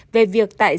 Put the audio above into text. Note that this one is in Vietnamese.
về việc xét tố bị can